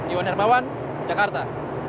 iwan hermawan jakarta